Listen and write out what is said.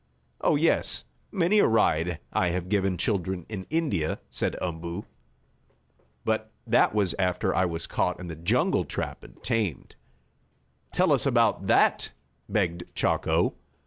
"Oh, yes, many a ride I have given children in India," said Umboo. "But that was after I was caught in the jungle trap and tamed." "Tell us about that!" begged Chako.